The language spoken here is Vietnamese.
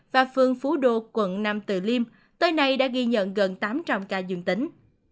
và phương phú đô quận nam từ liêm tới nay đã ghi nhận gần tám trăm linh ca dương tính